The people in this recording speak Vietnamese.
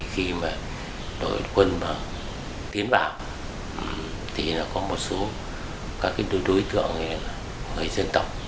khi mà đội quân mà tiến vào thì nó có một số các đối tượng người dân tộc